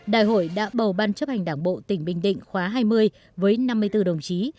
đại hội đã bầu ban chấp hành đảng bộ tỉnh bình định khóa hai mươi với năm mươi bốn đồng chí